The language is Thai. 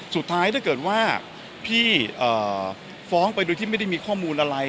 ถ้าเกิดว่าพี่ฟ้องไปโดยที่ไม่ได้มีข้อมูลอะไร